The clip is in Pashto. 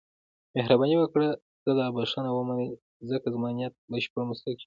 مهرباني وکړئ زما دا بښنه ومنئ، ځکه زما نیت بشپړ مسلکي و.